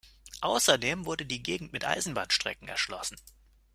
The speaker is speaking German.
Außerdem wurde die Gegend mit Eisenbahnstrecken erschlossen.